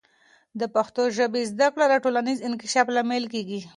د پښتو ژبې زده کړه د ټولنیز انکشاف لامل کیږي.